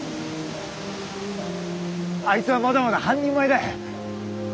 あいつはまだまだ半人前だ。